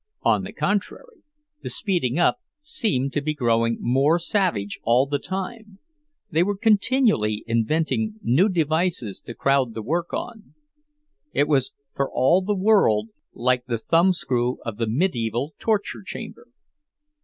On the contrary, the speeding up seemed to be growing more savage all the time; they were continually inventing new devices to crowd the work on—it was for all the world like the thumbscrew of the mediæval torture chamber.